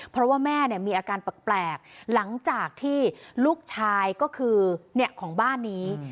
เพราะว่าแม่มีอาการแปลกหลังจากที่ลูกชายก็คือของบ้านนี้